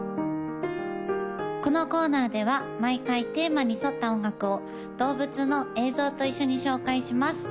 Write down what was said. このコーナーでは毎回テーマに沿った音楽を動物の映像と一緒に紹介します